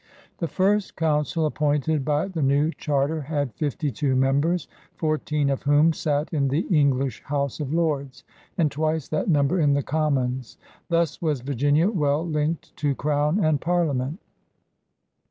The first Council appointed by the new charter had fifty two members, fourteen of whom sat in the English House of Lords, and twice that num THE SEA ADVENTURE 59 ber in the Commons. Thus was Virginia well linked to Crown and Parliament.